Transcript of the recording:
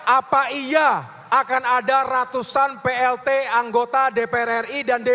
apa iya akan ada ratusan plt anggota dpr ri dan dpd